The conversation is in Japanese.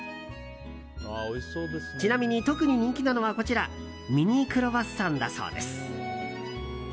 ちなみに特に人気なのはこちらミニ・クロワッサンだそうです。